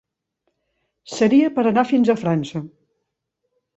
Seria per anar fins a França.